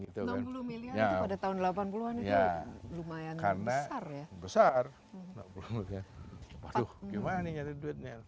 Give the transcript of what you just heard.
gitu kan enam puluh miliar itu pada tahun delapan puluh an itu lumayan besar ya karena besar waduh gimana ini duitnya